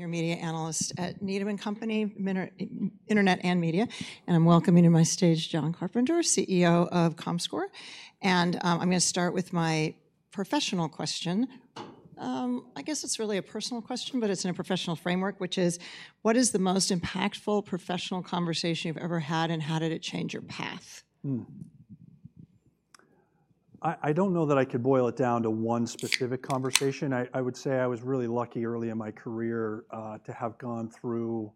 Your media analyst at Needham & Company, Laura Martin, Internet and Media, and I'm welcoming to my stage, Jon Carpenter, CEO of Comscore. I'm gonna start with my professional question. I guess it's really a personal question, but it's in a professional framework, which is: what is the most impactful professional conversation you've ever had, and how did it change your path? Hmm. I don't know that I could boil it down to one specific conversation. I would say I was really lucky early in my career to have gone through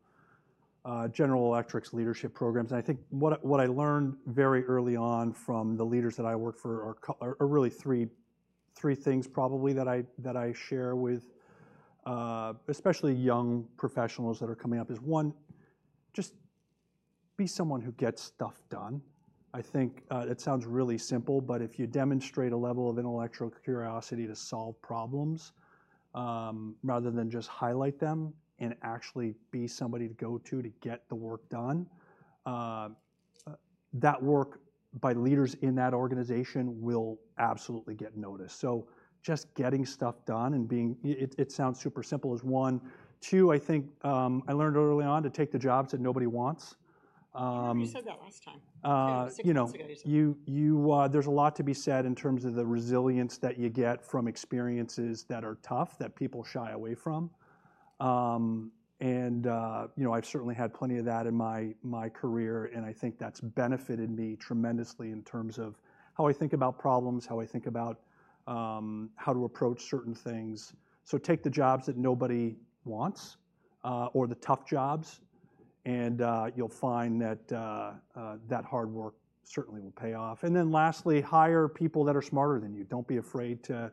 General Electric's leadership programs. And I think what I learned very early on from the leaders that I worked for are really three things, probably, that I share with especially young professionals that are coming up is, one, just be someone who gets stuff done. I think it sounds really simple, but if you demonstrate a level of intellectual curiosity to solve problems rather than just highlight them and actually be somebody to go to to get the work done, that work by leaders in that organization will absolutely get noticed. So just getting stuff done and being, it sounds super simple, is one. Two, I think, I learned early on to take the jobs that nobody wants. I remember you said that last time. Six months ago, you said that. There's a lot to be said in terms of the resilience that you get from experiences that are tough, that people shy away from. You know, I've certainly had plenty of that in my career, and I think that's benefited me tremendously in terms of how I think about problems, how I think about how to approach certain things. So take the jobs that nobody wants or the tough jobs, and you'll find that hard work certainly will pay off. And then lastly, hire people that are smarter than you. Don't be afraid to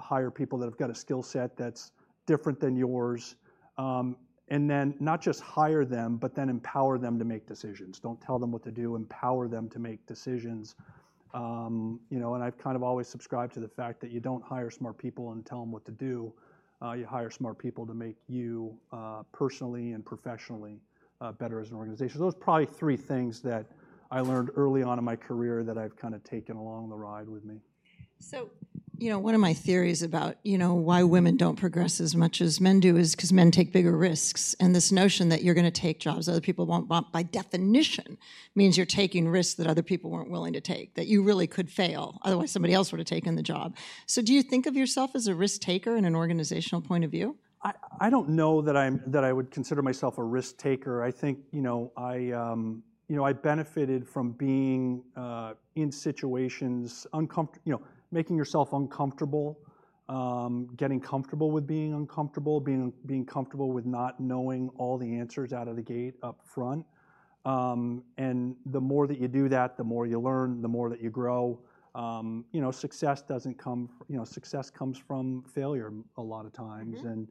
hire people that have got a skill set that's different than yours. And then not just hire them, but then empower them to make decisions. Don't tell them what to do, empower them to make decisions. You know, I've kind of always subscribed to the fact that you don't hire smart people and tell them what to do. You hire smart people to make you personally and professionally better as an organization. Those are probably three things that I learned early on in my career that I've kinda taken along the ride with me. So, you know, one of my theories about, you know, why women don't progress as much as men do is 'cause men take bigger risks, and this notion that you're gonna take jobs other people want, want, by definition, means you're taking risks that other people weren't willing to take, that you really could fail, otherwise somebody else would have taken the job. So do you think of yourself as a risk taker in an organizational point of view? I don't know that I would consider myself a risk taker. I think, you know, I benefited from being in uncomfortable situations. You know, making yourself uncomfortable, getting comfortable with being uncomfortable, being comfortable with not knowing all the answers out of the gate up front. And the more that you do that, the more you learn, the more that you grow. You know, success doesn't come, you know, success comes from failure a lot of time and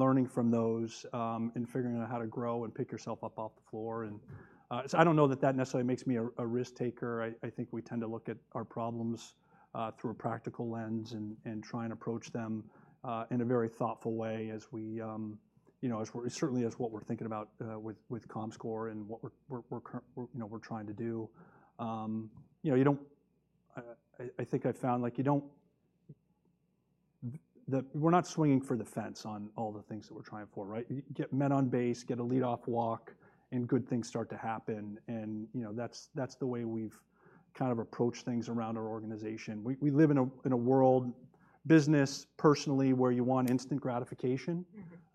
learning from those and figuring out how to grow and pick yourself up off the floor. So I don't know that that necessarily makes me a risk taker. I think we tend to look at our problems through a practical lens and try and approach them in a very thoughtful way as we, you know, as we're certainly thinking about with Comscore and what we're trying to do. You know, I think I've found, like, we're not swinging for the fence on all the things that we're trying for, right? Get men on base, get a lead-off walk, and good things start to happen, and, you know, that's, that's the way we've kind of approached things around our organization. We, we live in a, in a world, business, personally, where you want instant gratification.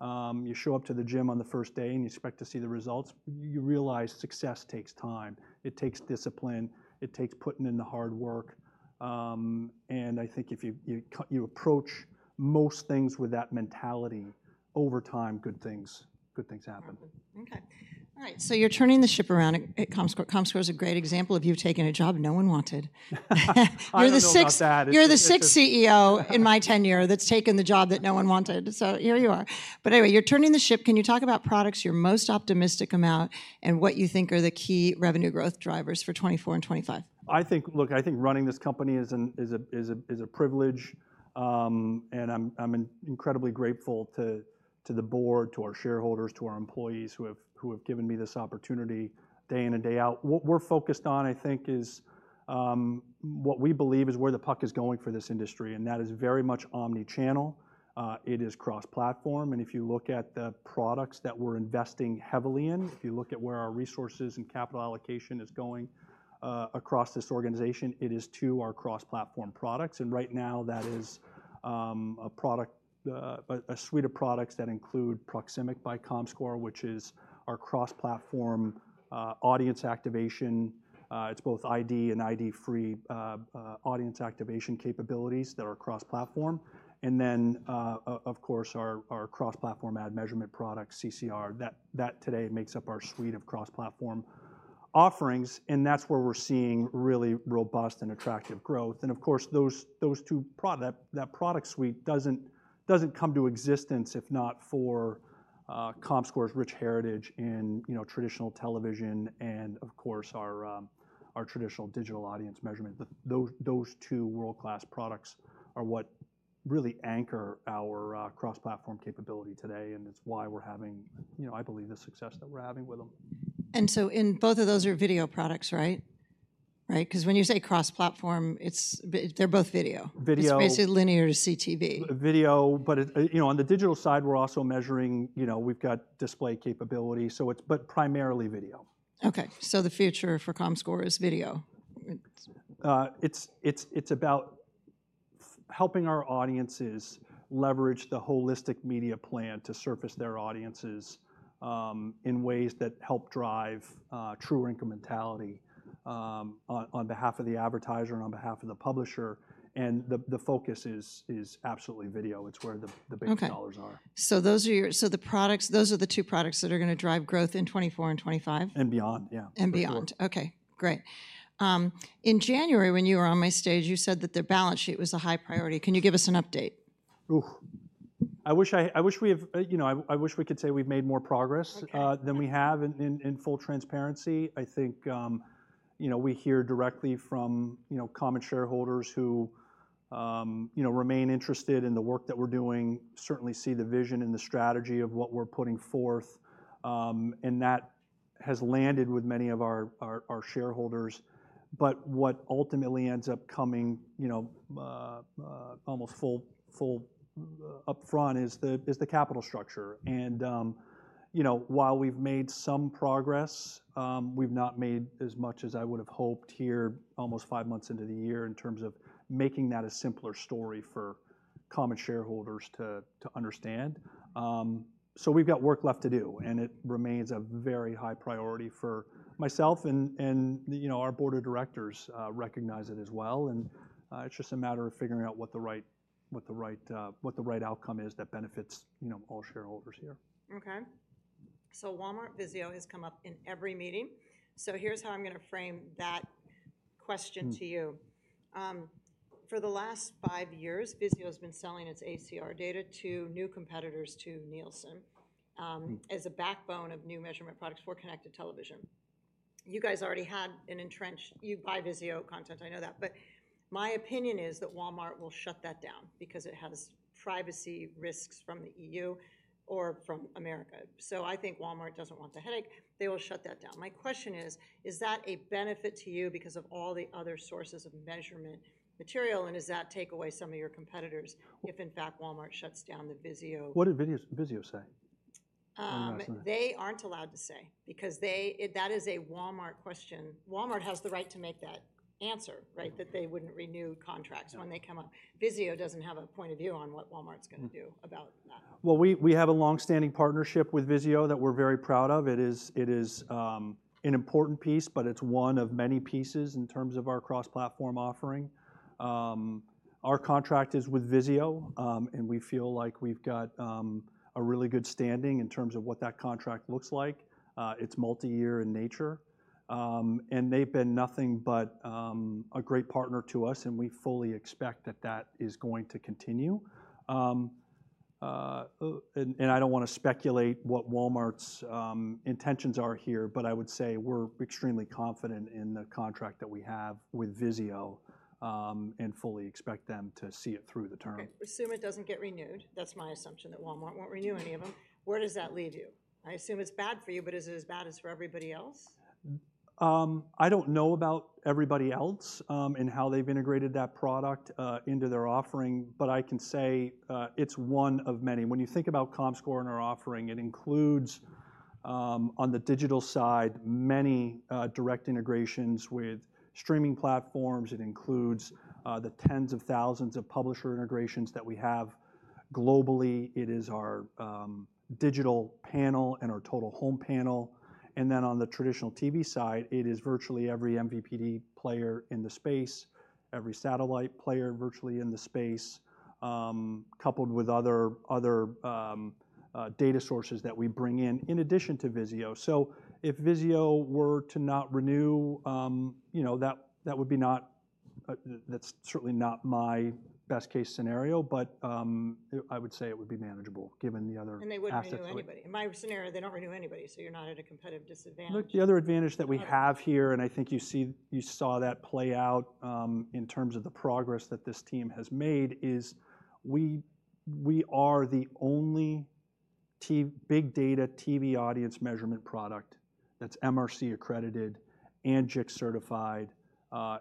Mm-hmm. You show up to the gym on the first day, and you expect to see the results. You realize success takes time, it takes discipline, it takes putting in the hard work. And I think if you approach most things with that mentality, over time, good things, good things happen. Okay. All right, so you're turning the ship around at Comscore. Comscore is a great example of you've taken a job no one wanted. I don't know about that. You're the sixth CEO in my tenure that's taken the job that no one wanted, so here you are. But anyway, you're turning the ship. Can you talk about products you're most optimistic about, and what you think are the key revenue growth drivers for 2024 and 2025? I think, look. I think running this company is a privilege, and I'm incredibly grateful to the board, to our shareholders, to our employees who have given me this opportunity day in and day out. What we're focused on, I think, is what we believe is where the puck is going for this industry, and that is very much omni-channel. It is cross-platform, and if you look at the products that we're investing heavily in, if you look at where our resources and capital allocation is going, across this organization, it is to our cross-platform products. And right now, that is a suite of products that include Proximic by Comscore, which is our cross-platform audience activation. It's both ID and ID-free audience activation capabilities that are cross-platform. And then, of course, our cross-platform ad measurement product, CCR. That today makes up our suite of cross-platform offerings, and that's where we're seeing really robust and attractive growth. And of course, that product suite doesn't come to existence if not for Comscore's rich heritage in, you know, traditional television and of course, our traditional digital audience measurement. Those two world-class products are what really anchor our cross-platform capability today, and it's why we're having, you know, I believe, the success that we're having with them. So both of those are video products, right? Right, 'cause when you say cross-platform, they're both video. Video. It's basically linear to CTV. Video, but it, you know, on the digital side, we're also measuring, you know, we've got display capability, so it's, but primarily video. Okay, so the future for Comscore is video? It's about helping our audiences leverage the holistic media plan to surface their audiences, in ways that help drive true incrementality, on behalf of the advertiser and on behalf of the publisher. And the focus is absolutely video. It's where the base dollars are. Okay. So those are the two products that are gonna drive growth in 2024 and 2025? And beyond, yeah. And beyond. For sure. Okay, great. In January, when you were on my stage, you said that the balance sheet was a high priority. Can you give us an update? Oof! I wish, you know, we could say we've made more progress than we have. Okay In full transparency, I think, you know, we hear directly from, you know, common shareholders who, you know, remain interested in the work that we're doing, certainly see the vision and the strategy of what we're putting forth. And that has landed with many of our, our shareholders. But what ultimately ends up coming, you know, almost full upfront is the capital structure. And, you know, while we've made some progress, we've not made as much as I would've hoped here, almost five months into the year, in terms of making that a simpler story for common shareholders to understand. So we've got work left to do, and it remains a very high priority for myself, and you know, our board of directors recognize it as well, and it's just a matter of figuring out what the right outcome is that benefits, you know, all shareholders here. Okay. So Walmart Vizio has come up in every meeting. Here's how I'm gonna frame that question to you. Mm. For the last five years, Vizio has been selling its ACR data to new competitors, to Nielsen as a backbone of new measurement products for connected television. You guys already had an entrenched. You buy Vizio content, I know that, but my opinion is that Walmart will shut that down because it has privacy risks from the EU or from America. So I think Walmart doesn't want the headache. They will shut that down. My question is: Is that a benefit to you because of all the other sources of measurement material, and does that take away some of your competitors, if in fact, Walmart shuts down the Vizio. What did Vizio say about that? They aren't allowed to say, because they, that is a Walmart question. Walmart has the right to make that answer, right? Mm-hmm. That they wouldn't renew contracts when they come up. Mm. Vizio doesn't have a point of view on what Walmart's gonna do about that. Well, we have a long-standing partnership with Vizio that we're very proud of. It is an important piece, but it's one of many pieces in terms of our cross-platform offering. Our contract is with Vizio, and we feel like we've got a really good standing in terms of what that contract looks like. It's multiyear in nature, and they've been nothing but a great partner to us, and we fully expect that that is going to continue. And I don't wanna speculate what Walmart's intentions are here, but I would say we're extremely confident in the contract that we have with Vizio, and fully expect them to see it through the term. Okay. Assume it doesn't get renewed. That's my assumption, that Walmart won't renew any of them. Where does that leave you? I assume it's bad for you, but is it as bad as for everybody else? I don't know about everybody else, and how they've integrated that product into their offering, but I can say, it's one of many. When you think about Comscore and our offering, it includes, on the digital side, many direct integrations with streaming platforms. It includes the tens of thousands of publisher integrations that we have globally. It is our digital panel and our total home panel, and then on the traditional TV side, it is virtually every MVPD player in the space, every satellite player virtually in the space, coupled with other data sources that we bring in, in addition to Vizio. So if Vizio were to not renew, you know, that would be not. That's certainly not my best-case scenario, but I would say it would be manageable, given the other aspects. They wouldn't renew anybody. In my scenario, they don't renew anybody, so you're not at a competitive disadvantage. Look, the other advantage that we have here, and I think you saw that play out in terms of the progress that this team has made, is we are the only big data TV audience measurement product that's MRC-accredited and JIC-certified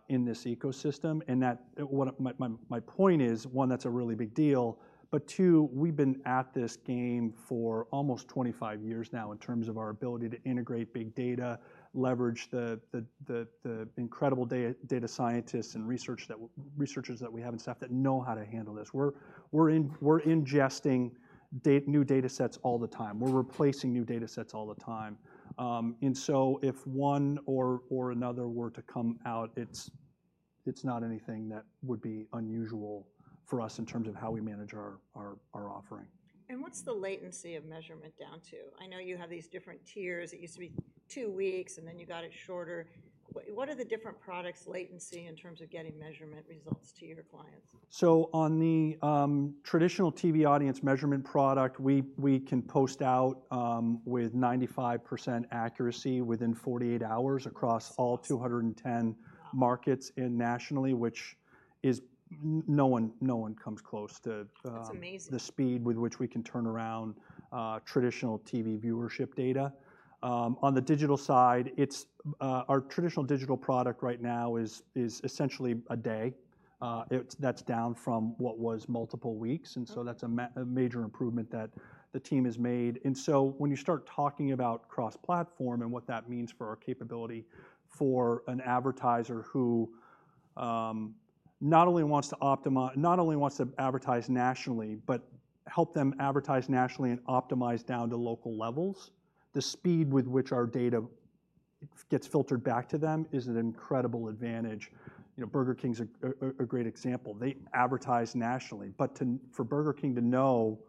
in this ecosystem. And that, what my point is, one, that's a really big deal, but two, we've been at this game for almost 25 years now in terms of our ability to integrate big data, leverage the incredible data scientists and researchers that we have and staff that know how to handle this. We're ingesting new datasets all the time. We're replacing new datasets all the time. And so if one or another were to come out, it's not anything that would be unusual for us in terms of how we manage our offering. What's the latency of measurement down to? I know you have these different tiers. It used to be two weeks, and then you got it shorter. What, what are the different products' latency in terms of getting measurement results to your clients? So on the traditional TV audience measurement product, we can post out with 95% accuracy within 48 hours across all 210 markets and nationally, which no one comes close to. That's amazing. The speed with which we can turn around traditional TV viewership data. On the digital side, it's our traditional digital product right now is essentially a day. It's down from what was multiple weeks, and so that's a major improvement that the team has made. And so when you start talking about cross-platform and what that means for our capability for an advertiser who not only wants to not only wants to advertise nationally, but help them advertise nationally and optimize down to local levels, the speed with which our data gets filtered back to them is an incredible advantage. You know, Burger King's a great example. They advertise nationally, but for Burger King to know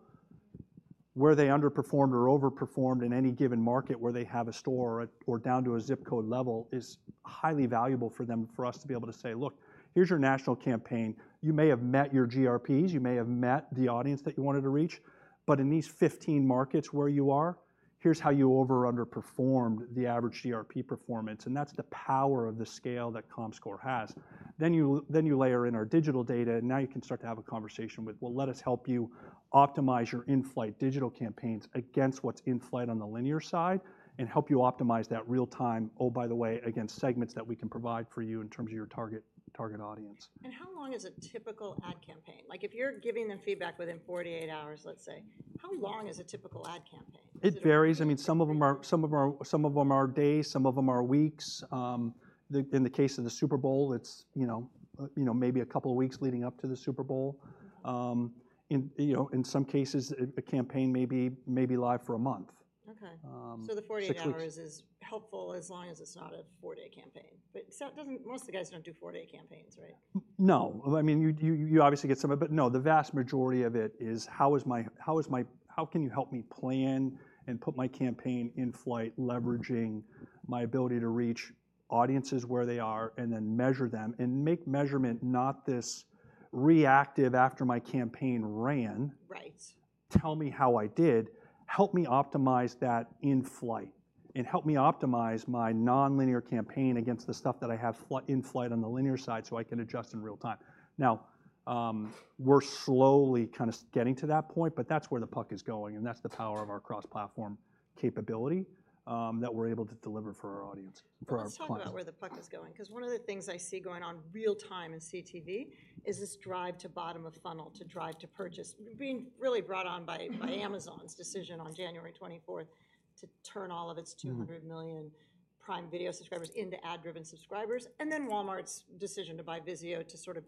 where they underperformed or overperformed in any given market where they have a store or down to a zip code level, is highly valuable for them, for us to be able to say: "Look, here's your national campaign. You may have met your GRPs, you may have met the audience that you wanted to reach, but in these 15 markets where you are, here's how you over or underperformed the average GRP performance." And that's the power of the scale that Comscore has. Then you layer in our digital data, and now you can start to have a conversation with, "Well, let us help you optimize your in-flight digital campaigns against what's in flight on the linear side, and help you optimize that real time. Oh, by the way, against segments that we can provide for you in terms of your target, target audience. How long is a typical ad campaign? Like, if you're giving them feedback within 48 hours, let's say, how long is a typical ad campaign? It varies. I mean, some of them are days, some of them are weeks. In the case of the Super Bowl, it's, you know, maybe a couple of weeks leading up to the Super Bowl. In some cases, a campaign may be live for a month. Okay. 6 weeks. The 48 hours is helpful as long as it's not a four day campaign. But most of the guys don't do four day campaigns, right? No. I mean, you obviously get some of it. But no, the vast majority of it is, how can you help me plan and put my campaign in flight, leveraging my ability to reach audiences where they are, and then measure them? And make measurement not this reactive after my campaign ran. Right Tell me how I did. Help me optimize that in flight, and help me optimize my non-linear campaign against the stuff that I have in flight on the linear side, so I can adjust in real time. Now, we're slowly kind of getting to that point, but that's where the puck is going, and that's the power of our cross-platform capability that we're able to deliver for our audience, for our clients. Let's talk about where the puck is going, 'cause one of the things I see going on real time in CTV is this drive to bottom-of-funnel, to drive to purchase. Being really brought on by Amazon's decision on January 24th to turn all of its 200 million Prime Video subscribers into ad-driven subscribers, and then Walmart's decision to buy Vizio to sort of,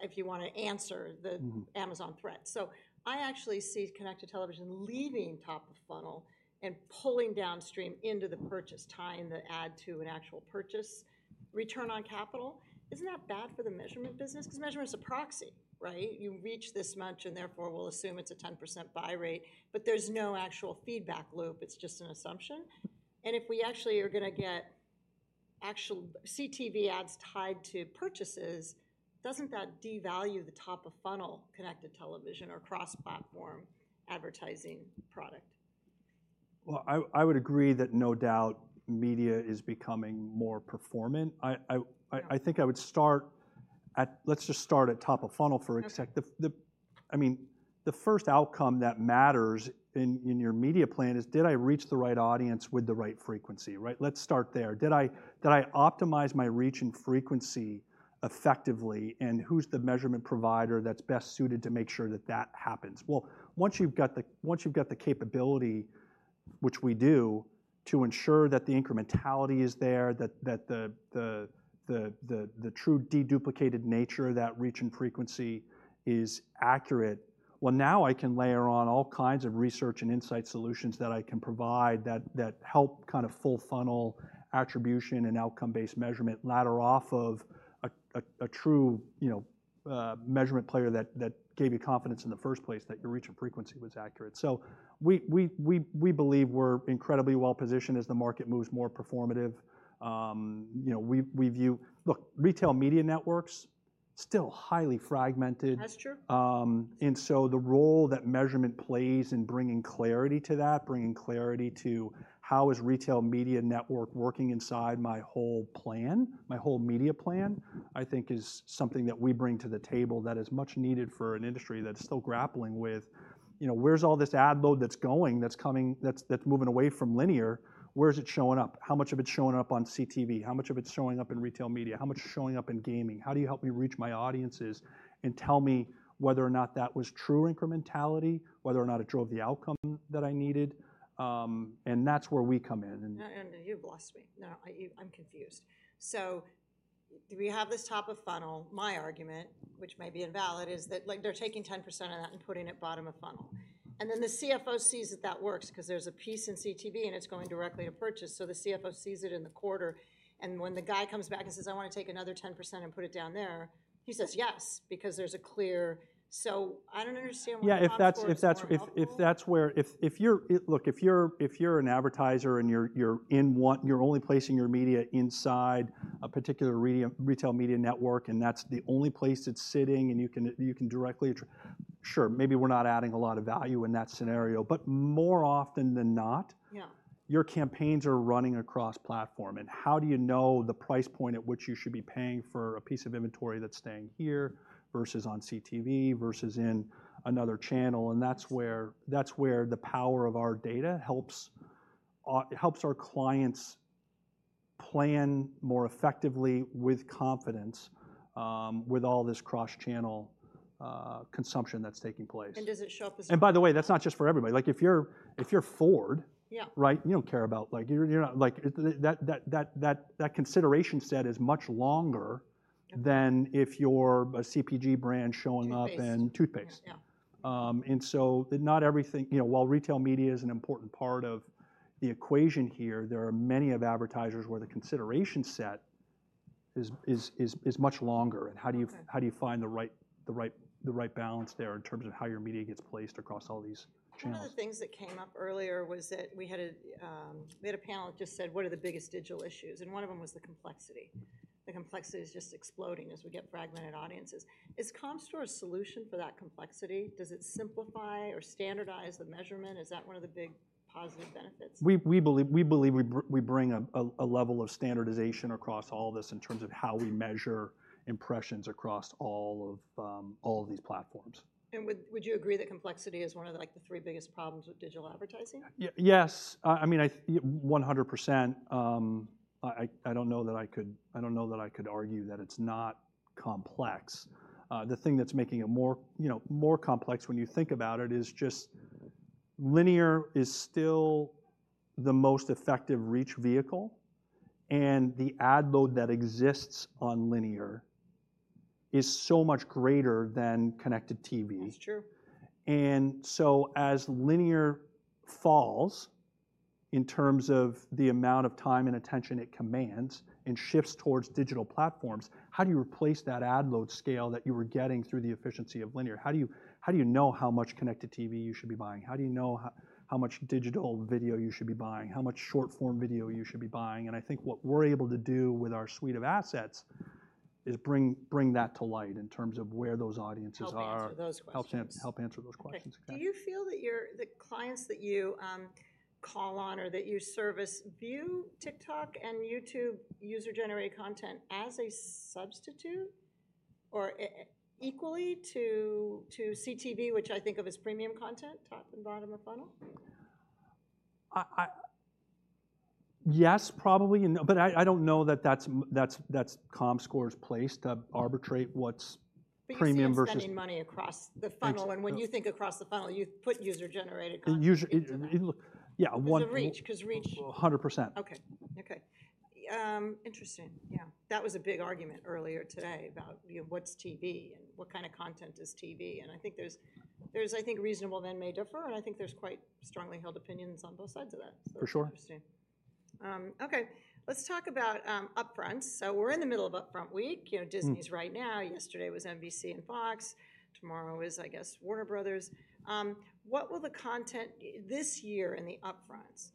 if you wanna answer the Amazon threats. Mm-hmm So I actually see connected television leaving top-of-funnel and pulling downstream into the purchase, tying the ad to an actual purchase. Return on capital, isn't that bad for the measurement business? 'Cause measurement is a proxy, right? You reach this much, and therefore, we'll assume it's a 10% buy rate, but there's no actual feedback loop. It's just an assumption. And if we actually are gonna get actual CTV ads tied to purchases, doesn't that devalue the top-of-funnel connected television or cross-platform advertising product? Well, I would agree that no doubt media is becoming more performant. I think I would start at. Let's just start at top of funnel for a sec. Okay. I mean, the first outcome that matters in your media plan is, did I reach the right audience with the right frequency, right? Let's start there. Did I optimize my reach and frequency effectively, and who's the measurement provider that's best suited to make sure that that happens? Well, once you've got the capability, which we do, to ensure that the incrementality is there, that the true deduplicated nature of that reach and frequency is accurate, well, now I can layer on all kinds of research and insight solutions that I can provide, that help kind of full funnel attribution and outcome-based measurement ladder off of a true, you know, measurement player, that gave you confidence in the first place that your reach and frequency was accurate. So we believe we're incredibly well-positioned as the market moves more performative. You know, we view, look, retail media networks, still highly fragmented. That's true. And so the role that measurement plays in bringing clarity to that, bringing clarity to how is retail media network working inside my whole plan, my whole media plan, I think is something that we bring to the table that is much needed for an industry that's still grappling with, you know, where's all this ad load that's going, that's coming, that's moving away from linear? Where is it showing up? How much of it's showing up on CTV? How much of it's showing up in retail media? How much is showing up in gaming? How do you help me reach my audiences and tell me whether or not that was true incrementality, whether or not it drove the outcome that I needed? And that's where we come in. And you've lost me. No, I'm confused. So we have this top of funnel. My argument, which may be invalid, is that, like, they're taking 10% of that and putting it bottom of funnel. Then the CFO sees that that works, 'cause there's a piece in CTV, and it's going directly to purchase, so the CFO sees it in the quarter, and when the guy comes back and says: "I wanna take another 10% and put it down there," he says, "Yes," because there's a clear. So I don't understand where Comscore is more helpful. Yeah, if that's where. Look, if you're an advertiser and you're only placing your media inside a particular realm, retail media network, and that's the only place it's sitting, and you can directly, sure, maybe we're not adding a lot of value in that scenario, but more often than not. Yeah. Your campaigns are running across platform, and how do you know the price point at which you should be paying for a piece of inventory that's staying here, versus on CTV, versus in another channel? And that's where, that's where the power of our data helps our, helps our clients plan more effectively with confidence, with all this cross-channel consumption that's taking place. And does it show up as? And by the way, that's not just for everybody. Like, if you're Ford right? You don't care about, like, you're not, like, that consideration set is much longer than if you're a CPG brand showing up. Toothpaste. Toothpaste. Yeah. Not everything, you know, while retail media is an important part of the equation here, there are many advertisers where the consideration set is much longer. Okay. How do you find the right balance there, in terms of how your media gets placed across all these channels? One of the things that came up earlier was that we had a, we had a panel that just said: "What are the biggest digital issues?" One of them was the complexity. The complexity is just exploding as we get fragmented audiences. Is Comscore a solution for that complexity? Does it simplify or standardize the measurement? Is that one of the big positive benefits? We believe we bring a level of standardization across all this, in terms of how we measure impressions across all of these platforms. Would you agree that complexity is one of, like, the three biggest problems with digital advertising? Yes. I mean, yeah, 100%. I don't know that I could. I don't know that I could argue that it's not complex. The thing that's making it more, you know, more complex when you think about it, is just linear is still the most effective reach vehicle, and the ad load that exists on linear is so much greater than connected TV. That's true. As linear falls, in terms of the amount of time and attention it commands, and shifts towards digital platforms, how do you replace that ad load scale that you were getting through the efficiency of linear? How do you, how do you know how much connected TV you should be buying? How do you know how much digital video you should be buying? How much short-form video you should be buying? And I think what we're able to do with our suite of assets is bring, bring that to light, in terms of where those audiences are. Help answer those questions. Help help answer those questions. Okay. Yeah. Do you feel that your, the clients that you call on or that you service, view TikTok and YouTube user-generated content as a substitute, or equally to, to CTV, which I think of as premium content, top and bottom of funnel? Yes, probably, but I don't know that that's Comscore's place to arbitrate what's premium versus. But you see them spending money across the funnel. I see. When you think across the funnel, you put user-generated content into that. You usually, you look, yeah, one. 'Cause of reach, 'cause reach. 100%. Okay. Okay. Interesting. Yeah. That was a big argument earlier today about, you know, what's TV and what kind of content is TV? And I think there's, there's, I think, reasonable men may differ, and I think there's quite strongly held opinions on both sides of that. For sure. Interesting. Okay, let's talk about Upfronts. So we're in the middle of Upfront week. Mm. You know, Disney's right now. Yesterday was NBC and Fox. Tomorrow is, I guess, Warner Bros. Discovery. What will the content this year in the Upfronts,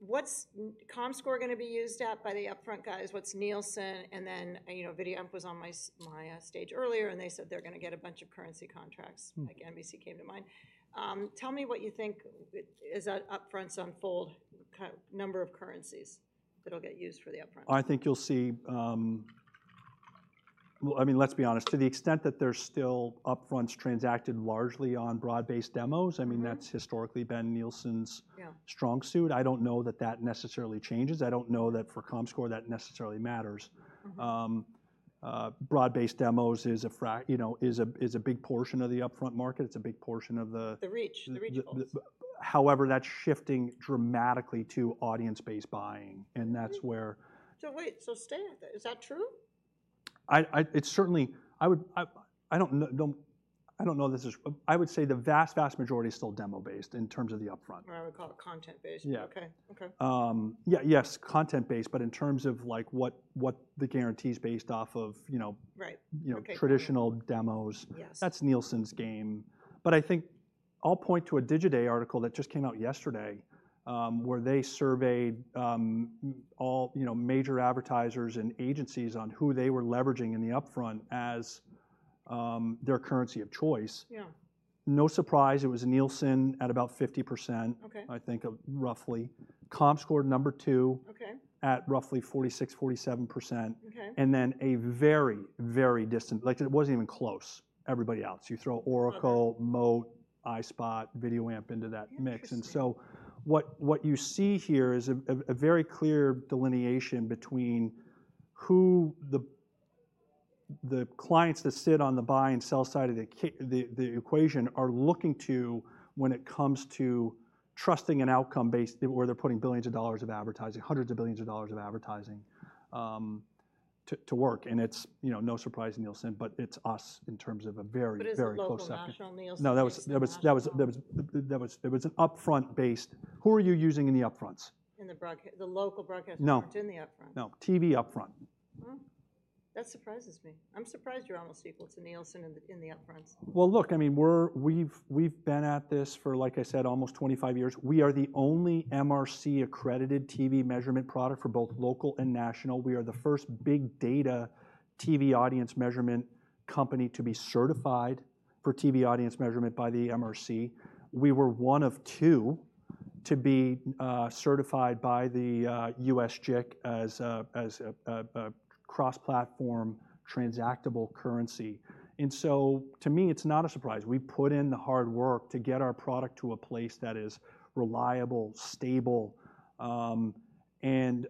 what's Comscore gonna be used at by the Upfront guys? What's Nielsen? And then, you know, VideoAmp was on my stage earlier, and they said they're gonna get a bunch of currency contracts. Mm. Like NBC came to mind. Tell me what you think, as the Upfronts unfold, number of currencies that will get used for the Upfronts? I think you'll see, Well, I mean, let's be honest, to the extent that there's still Upfronts transacted largely on broad-based demos, I mean, that's historically been Nielsen' strong suit. I don't know that that necessarily changes. I don't know that for Comscore that necessarily matters. Mm-hmm. Broad-based demos is a, you know, is a, is a big portion of the upfront market. It's a big portion of the. The reach, the reach portion. However, that's shifting dramatically to audience-based buying, and that's where. So wait, so stay with it. Is that true? It's certainly. I don't know if this is. I would say the vast, vast majority is still demo-based, in terms of the Upfronts. I would call it content-based. Yeah. Okay. Okay. Yeah, yes, content-based, but in terms of, like, what the guarantee is based off of, you know. Right You know. Okay Traditional demos, that’s Nielsen's game. But I think I'll point to a Digiday article that just came out yesterday, where they surveyed all, you know, major advertisers and agencies on who they were leveraging in the Upfronts as their currency of choice. Yeah. No surprise, it was Nielsen at about 50%. Okay. I think, roughly. Comscore, number two at roughly 46-47%. Okay. And then a very, very distant, like it wasn't even close, everybody else. You throw Oracle. Okay Moat, iSpot, VideoAmp into that mix. Interesting. So what you see here is a very clear delineation between who the clients that sit on the buy and sell side of the equation are looking to when it comes to trusting an outcome based, where they're putting billions of dollars of advertising, hundreds of billions of dollars of advertising, to work. It's, you know, no surprise, Nielsen, but it's us in terms of a very, very close second. Is the local, national Nielsen? No, there was an Upfront-based. Who are you using in the Upfronts? The local broadcasters? No. In the Upfronts? No. TV upfront. Oh, that surprises me. I'm surprised you're almost equal to Nielsen in the upfronts. Well, look, I mean, we're, we've, we've been at this for, like I said, almost 25 years. We are the only MRC-accredited TV measurement product for both local and national. We are the first big data TV audience measurement company to be certified for TV audience measurement by the MRC. We were one of two to be certified by the U.S. JIC as a cross-platform transactable currency. And so to me, it's not a surprise. We put in the hard work to get our product to a place that is reliable, stable, and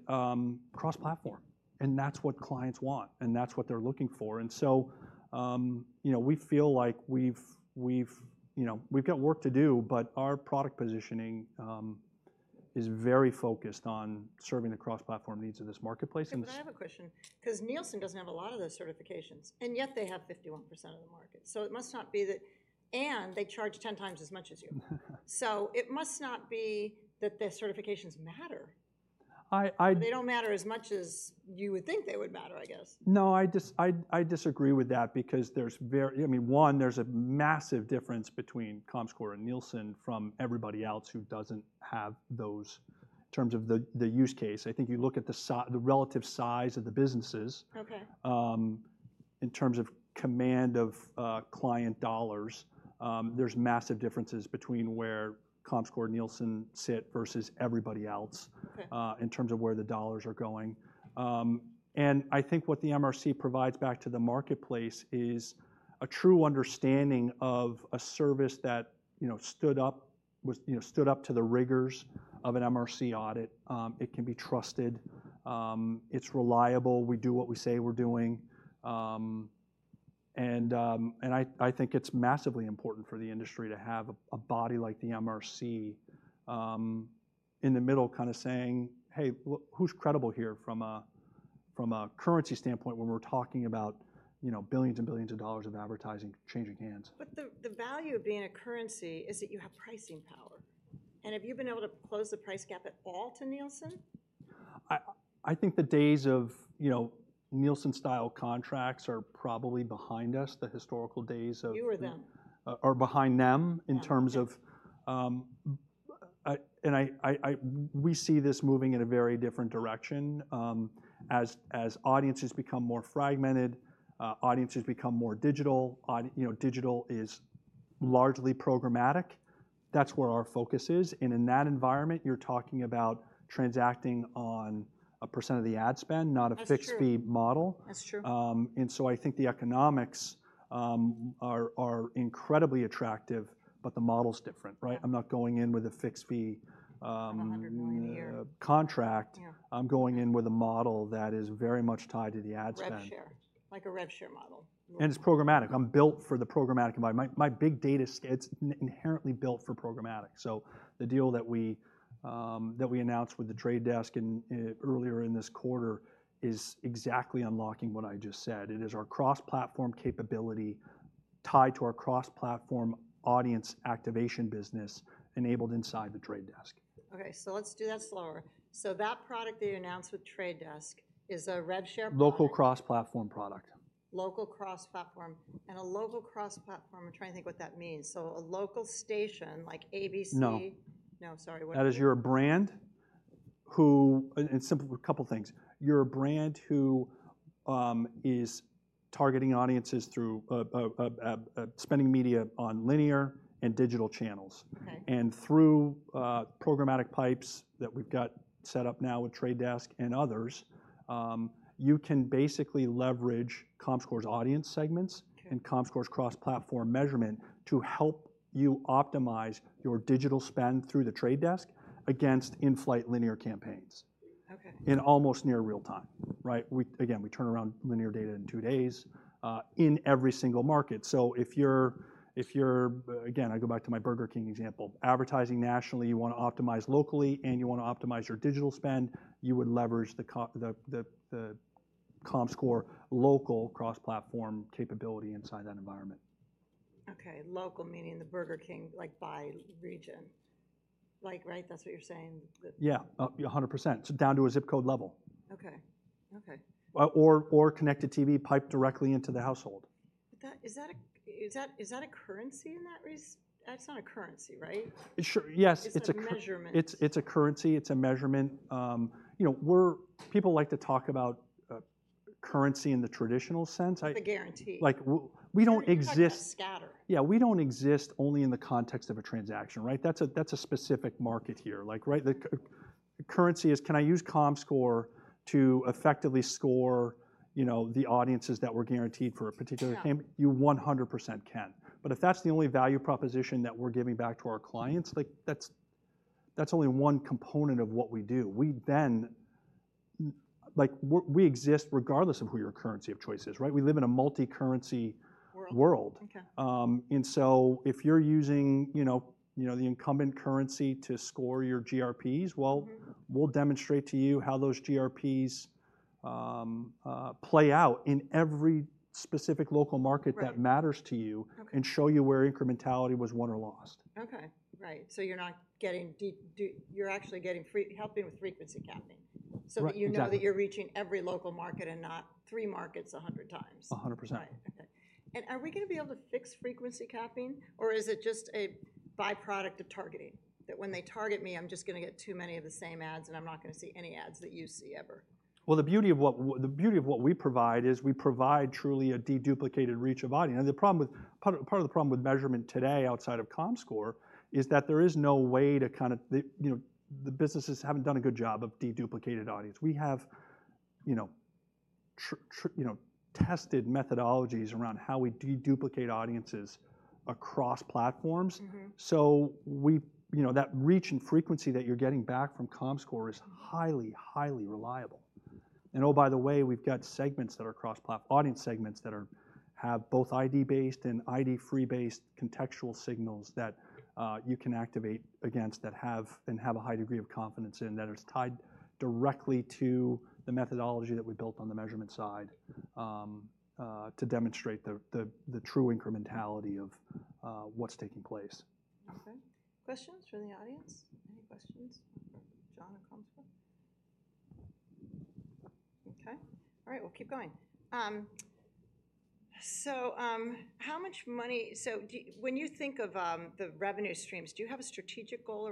cross-platform. And that's what clients want, and that's what they're looking for. And so, you know, we feel like we've, we've you know, we've got work to do, but our product positioning is very focused on serving the cross-platform needs of this marketplace. But I have a question, 'cause Nielsen doesn't have a lot of those certifications, and yet they have 51% of the market. So it must not be that. And they charge 10x as much as you. So it must not be that the certifications matter. They don't matter as much as you would think they would matter, I guess. No, I disagree with that because there's, I mean, one, there's a massive difference between Comscore and Nielsen from everybody else who doesn't have those, in terms of the use case. I think you look at the relative size of the businesses. Okay. In terms of command of client dollars, there's massive differences between where Comscore, Nielsen sit versus everybody else. Okay In terms of where the dollars are going. And I think what the MRC provides back to the marketplace is a true understanding of a service that, you know, stood up, was, you know, stood up to the rigors of an MRC audit. It can be trusted. It's reliable. We do what we say we're doing. And I think it's massively important for the industry to have a body like the MRC in the middle kind of saying, "Hey, well, who's credible here from a currency standpoint, when we're talking about, you know, billions and billions of dollars of advertising changing hands? But the value of being a currency is that you have pricing power. And have you been able to close the price gap at all to Nielsen? I think the days of, you know, Nielsen-style contracts are probably behind us, the historical days of. You or them? Are behind them. Yeah, okay. In terms of, we see this moving in a very different direction. As audiences become more fragmented, audiences become more digital, you know, digital is largely programmatic. That's where our focus is. And in that environment, you're talking about transacting on a percent of the ad spend, not a fixed-fee model. That's true. And so I think the economics are incredibly attractive, but the model's different, right? I'm not going in with a fixed fee. At $100 million a year Contract. Yeah. I'm going in with a model that is very much tied to the ad spend. Rev share. Like a rev share model. It's programmatic. I'm built for the programmatic environment. My big data, it's inherently built for programmatic. The deal that we announced with The Trade Desk earlier in this quarter is exactly unlocking what I just said. It is our cross-platform capability, tied to our cross-platform audience activation business, enabled inside the Trade Desk. Okay, so let's do that slower. That product that you announced with Trade Desk is a rev share product? Local cross-platform product. Local cross-platform. A local cross-platform, I'm trying to think what that means. A local station like ABC. No. No, sorry, what? That is your brand who and simple, a couple things. You're a brand who is targeting audiences through spending media on linear and digital channels. Okay. Through programmatic pipes that we've got set up now with Trade Desk and others, you can basically leverage Comscore's audience segments. Okay And Comscore's cross-platform measurement to help you optimize your digital spend through The Trade Desk against in-flight linear campaigns. Okay. In almost near real time, right? We, again, we turn around linear data in two days in every single market. So if you're, again, I go back to my Burger King example. Advertising nationally, you wanna optimize locally, and you wanna optimize your digital spend, you would leverage the Comscore local cross-platform capability inside that environment. Okay, local meaning the Burger King, like by region. Like, right, that's what you're saying? Yeah, 100%. So down to a zip code level. Okay. Okay. Or connected TV piped directly into the household. But is that a currency in that respect? That's not a currency, right? Sure, yes, it's a currency. It's a measurement. It's a currency, it's a measurement. You know, people like to talk about currency in the traditional sense. The guarantee. Like, we don't exist. You talk about scatter. Yeah, we don't exist only in the context of a transaction, right? That's a, that's a specific market here. Like, right, the currency is, can I use Comscore to effectively score, you know, the audiences that we're guaranteed for a particular campaign? Sure. You 100% can. But if that's the only value proposition that we're giving back to our clients, like, that's, that's only one component of what we do. We then, like, we exist regardless of who your currency of choice is, right? We live in a multi-currency world. Okay. And so if you're using, you know, you know, the incumbent currency to score your GRPs, we'll demonstrate to you how those GRPs play out in every specific local markets that matters to you and show you where incrementality was won or lost. Okay, right. So you're not getting de-duplicated. You're actually getting frequency helping with frequency capping. Right, exactly. So that you know that you're reaching every local market and not three markets 100x. 100%. Right, okay. Are we gonna be able to fix frequency capping, or is it just a by-product of targeting? That when they target me, I'm just gonna get too many of the same ads, and I'm not gonna see any ads that you see ever. Well, the beauty of what we provide is we provide truly a de-duplicated reach of audience. Now, part of the problem with measurement today outside of Comscore is that there is no way to kind of, you know, the businesses haven't done a good job of de-duplicated audience. We have, you know, tested methodologies around how we de-duplicate audiences across platforms. Mm-hmm. So we, you know, that reach and frequency that you're getting back from Comscore is highly, highly reliable. And oh, by the way, we've got segments that are cross-platform, audience segments that are, have both ID-based and ID-free based contextual signals that, you can activate against, that have, and have a high degree of confidence in, that is tied directly to the methodology that we built on the measurement side, to demonstrate the true incrementality of, what's taking place. Okay. Questions from the audience? Any questions for Jon at Comscore? Okay. All right, well keep going. So, when you think of the revenue streams, do you have a strategic goal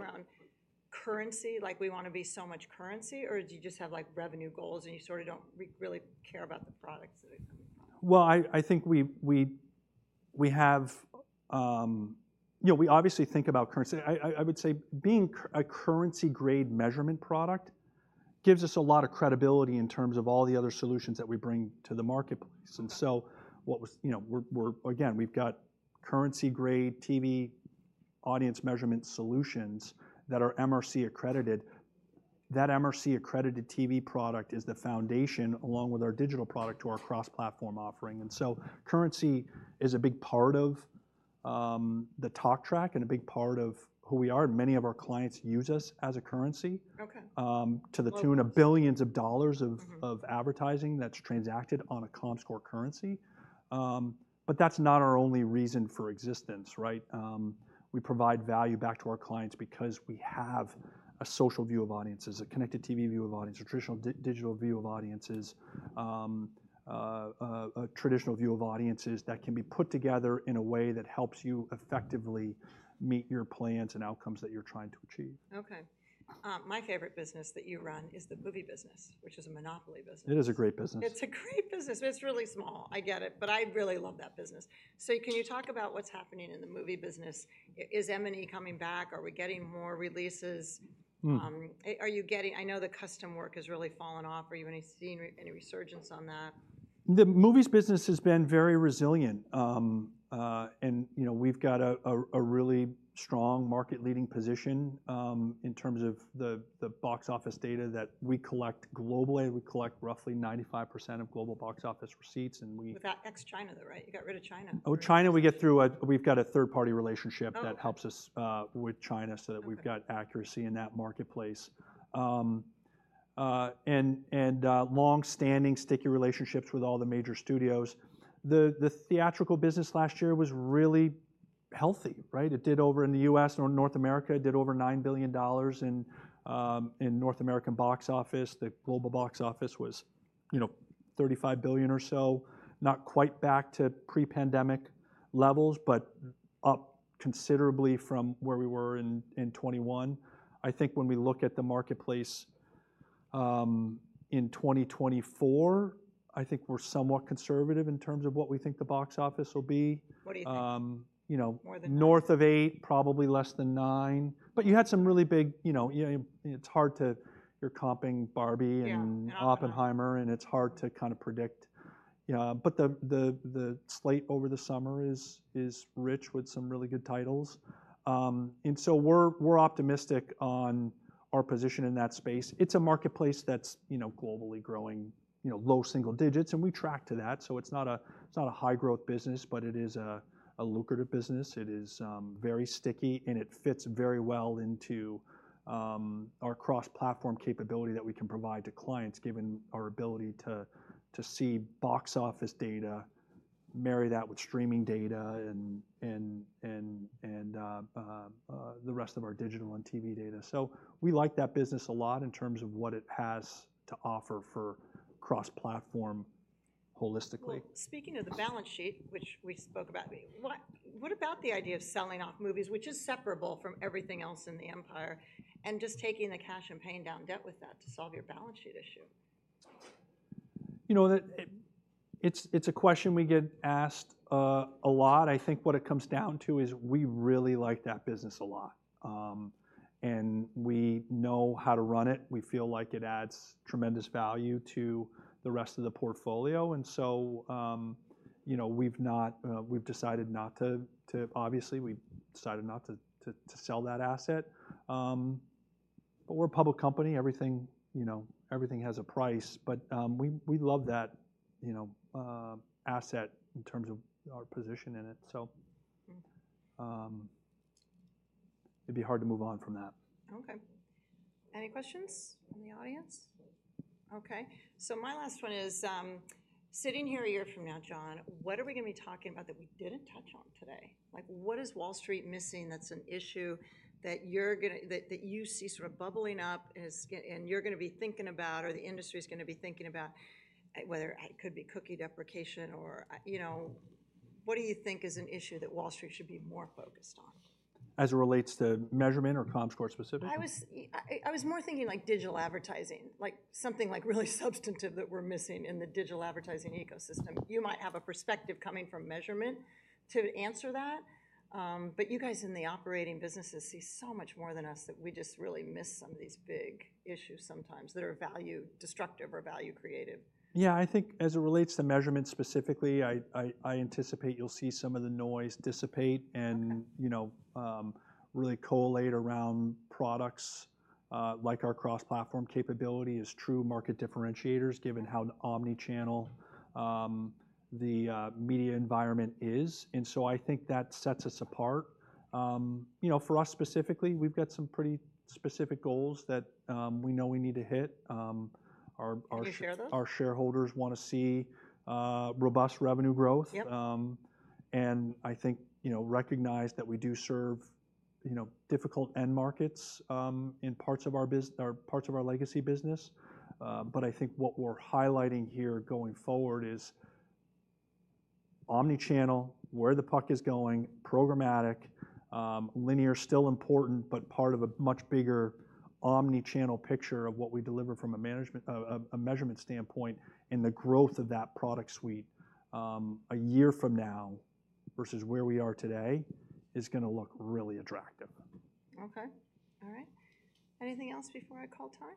around currency, like we wanna be so much currency? Or do you just have, like, revenue goals, and you sort of don't really care about the products that are coming from it? Well, I think we have. You know, we obviously think about currency. I would say being a currency-grade measurement product gives us a lot of credibility in terms of all the other solutions that we bring to the marketplace. And so what was. You know, we're again, we've got currency-grade TV audience measurement solutions that are MRC accredited. That MRC-accredited TV product is the foundation, along with our digital product, to our cross-platform offering. And so currency is a big part of the talk track and a big part of who we are, and many of our clients use us as a currency to the tune of billions of dollars of advertising that's transacted on a Comscore currency. But that's not our only reason for existence, right? We provide value back to our clients because we have a social view of audiences, a connected TV view of audiences, a traditional digital view of audiences, a traditional view of audiences that can be put together in a way that helps you effectively meet your plans and outcomes that you're trying to achieve. Okay. My favorite business that you run is the movie business, which is a monopoly business. It is a great business. It's a great business. It's really small, I get it, but I really love that business. So can you talk about what's happening in the movie business? Is M&A coming back? Are we getting more releases? Hmm. Are you getting? I know the custom work has really fallen off. Are you seeing any resurgence on that? The movies business has been very resilient. You know, we've got a really strong market-leading position in terms of the box office data that we collect globally. We collect roughly 95% of global box office receipts. Without ex-China, though, right? You got rid of China. Oh, China, we get through, we've got a third-party relationship that helps us with China, so that we've got accuracy in that marketplace. And long-standing, sticky relationships with all the major studios. The theatrical business last year was really healthy, right? It did over in the U.S., or North America, it did over $9 billion in North American box office. The global box office was, you know, $35 billion or so. Not quite back to pre-pandemic levels, but up considerably from where we were in 2021. I think when we look at the marketplace in 2024, I think we're somewhat conservative in terms of what we think the box office will be. What do you think? You know. More than nine? North of eight, probably less than nine. But you had some really big, you know, it's hard to, you’re comping Barbie and Oppenheimer, and it's hard to kinda predict, but the slate over the summer is rich with some really good titles. And so we're optimistic on our position in that space. It's a marketplace that's, you know, globally growing, you know, low single digits, and we track to that. So it's not a high-growth business, but it is a lucrative business. It is very sticky, and it fits very well into our cross-platform capability that we can provide to clients, given our ability to see box office data, marry that with streaming data, and the rest of our digital and TV data. So we like that business a lot in terms of what it has to offer for cross-platform holistically. Well, speaking of the balance sheet, which we spoke about, what, what about the idea of selling off movies, which is separable from everything else in the empire, and just taking the cash and paying down debt with that to solve your balance sheet issue? You know, it's a question we get asked a lot. I think what it comes down to is we really like that business a lot. And we know how to run it. We feel like it adds tremendous value to the rest of the portfolio, and so, you know, we've decided not to sell that asset. But we're a public company. Everything, you know, everything has a price, but we love that, you know, asset in terms of our position in it. So it'd be hard to move on from that. Okay. Any questions from the audience? Okay, so my last one is: sitting here a year from now, Jon, what are we gonna be talking about that we didn't touch on today? Like, what is Wall Street missing that's an issue that you see sort of bubbling up and you're gonna be thinking about, or the industry's gonna be thinking about? Whether it could be cookie deprecation or, you know, what do you think is an issue that Wall Street should be more focused on? As it relates to measurement or Comscore specifically? I was more thinking like digital advertising, like, something like really substantive that we're missing in the digital advertising ecosystem. You might have a perspective coming from measurement to answer that, but you guys in the operating businesses see so much more than us, that we just really miss some of these big issues sometimes that are value destructive or value creative. Yeah, I think as it relates to measurement specifically, I anticipate you'll see some of the noise dissipate. Okay And you know, really collate around products, like our cross-platform capability, as true market differentiators, given how omni-channel the media environment is. And so I think that sets us apart. You know, for us specifically, we've got some pretty specific goals that we know we need to hit. Can you share those? Our shareholders wanna see robust revenue growth. Yep. And I think, you know, recognize that we do serve, you know, difficult end markets in parts of our legacy business. But I think what we're highlighting here going forward is omni-channel, where the puck is going, programmatic. Linear, still important, but part of a much bigger omni-channel picture of what we deliver from a management measurement standpoint. And the growth of that product suite, a year from now, versus where we are today, is gonna look really attractive. Okay. All right. Anything else before I call time?